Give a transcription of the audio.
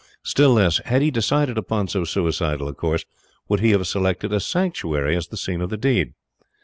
Still less, had he decided upon so suicidal a course, would he have selected a sanctuary as the scene of the deed.